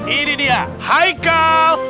ini dia haikal